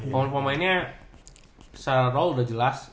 pemain pemainnya secara roll udah jelas